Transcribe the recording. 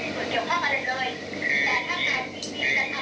เพราะฉะนั้นคุณก็ต้องฟื้นนักข่าวส่วนกลางเล็ก